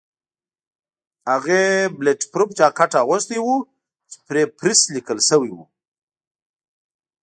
هغې بلېټ پروف جاکټ اغوستی و چې پرې پریس لیکل شوي وو.